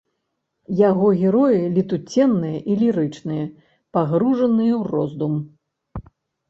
Яго героі летуценныя і лірычныя, пагружаныя ў роздум.